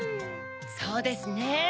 そうですね。